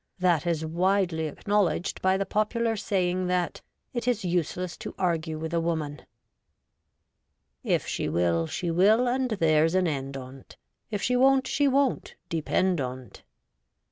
That is widely acknowledged by the popular saying that ' it is useless to argue with a woman '' If she will, she will, and there's an end on't : If she won't, she won't, depend on't.'